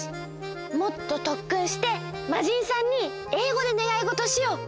もっととっくんしてまじんさんにえいごでねがいごとをしよう！